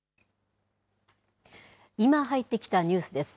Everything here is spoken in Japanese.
今入ってきたニュースです。